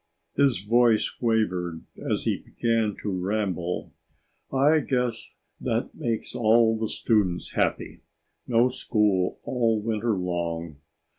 His voice wavered as he began to ramble. "I guess that makes all the students happy. No school all winter long.